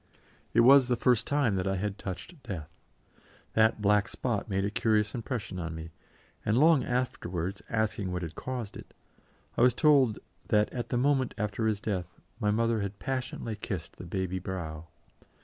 It was the first time that I had touched Death. That black spot made a curious impression on me, and long afterwards, asking what had caused it, I was told that at the moment after his death my mother had passionately kissed the baby brow.